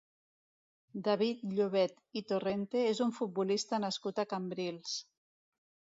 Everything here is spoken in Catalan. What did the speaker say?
David Llobet i Torrente és un futbolista nascut a Cambrils.